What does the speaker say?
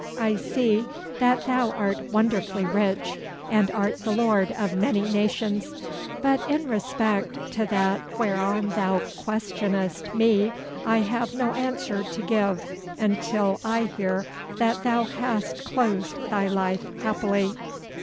I see that thou art wonderfully rich, and art the lord of many nations; but in respect to that whereon thou questionest me, I have no answer to give until I hear that thou hast closed thy life happily."